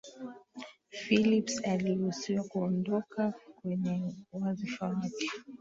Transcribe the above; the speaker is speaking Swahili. phillips aliruhusiwa kuondoka kwenye wadhifa wake